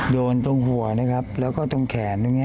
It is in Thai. โดนตรงหัวนะครับแล้วก็ตรงแขนตรงนี้